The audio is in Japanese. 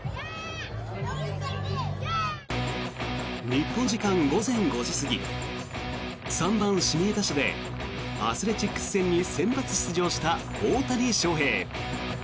日本時間午前５時過ぎ３番指名打者でアスレチックス戦に先発出場した大谷翔平。